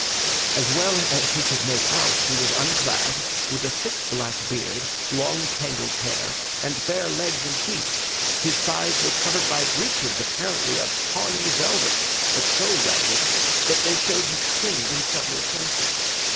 As well as he could make out he was unclad, with a thick black beard, long tangled hair, and bare legs and feet, his thighs were covered by breeches apparently of tawny velvet but so ragged that they showed his skin in several places.